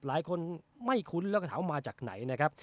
หลายคนไม่คุ้นแล้วก็ถามว่ามาจากไหนนะครับ